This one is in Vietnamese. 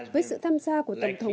với sự tham gia của tổng thống